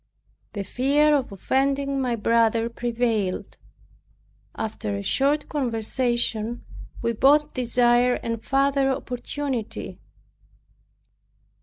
The fear of offending my brother prevailed. After a short conversation we both desired a farther opportunity.